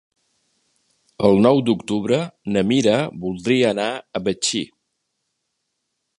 El nou d'octubre na Mira voldria anar a Betxí.